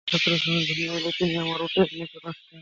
যাত্রার সময় ঘনিয়ে এলে তিনি আমার উটের নিকট আসতেন।